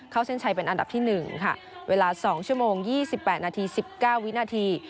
เส้นชัยเป็นอันดับที่๑ค่ะเวลา๒ชั่วโมง๒๘นาที๑๙วินาที